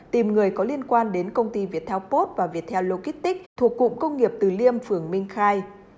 tìm người có liên quan đến công ty viettel post và viettel logistic thuộc cụm công nghiệp từ liêm phường minh khai